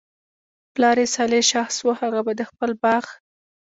پلار ئي صالح شخص وو، هغه به د خپل باغ